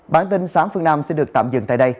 bản tin sáng phương nam xin được tạm dừng tại đây